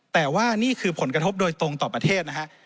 แต่ว่านี่คือผลกระทบโดยตรงต่อประเทศนะฮะ